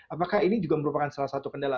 apakah ini juga merupakan salah satu kendala